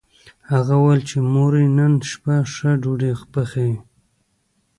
هغه وویل چې مور یې نن شپه ښه ډوډۍ پخوي